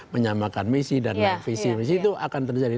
menyamakan misi dan visi misi itu akan terjadi